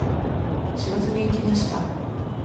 仕事に行きました。